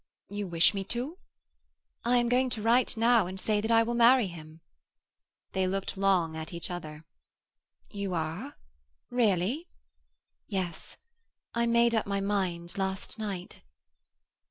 "You wish me to?" "I am going to write now, and say that I will marry him." They looked long at each other. "You are—really?" "Yes. I made up my mind last night."